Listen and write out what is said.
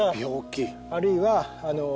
あるいは。